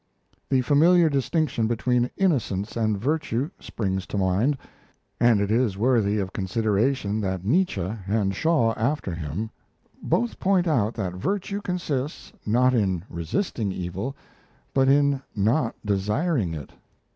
The familiar distinction between innocence and virtue springs to mind. And it is worthy of consideration that Nietzsche, and Shaw after him, both point out that virtue consists, not in resisting evil, but in not desiring it!